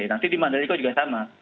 nanti di mandalika juga sama